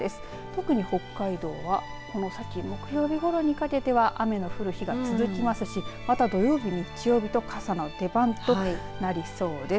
特に北海道はこの先木曜日ごろにかけては雨の降る日が続きますしまた土曜日、日曜日と傘の出番となりそうです。